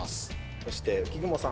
そして浮雲さん。